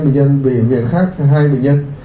bệnh viện khác là hai bệnh nhân